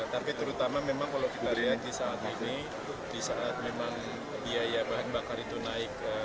tapi terutama memang kalau kita lihat di saat ini di saat memang biaya bahan bakar itu naik